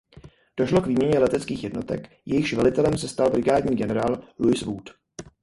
Došlo k výměně leteckých jednotek jejichž velitelem se stal brigádní generál Louis Wood.